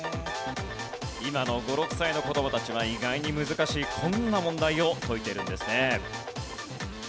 今の５６歳の子供たちは意外に難しいこんな問題を解いてるんですね。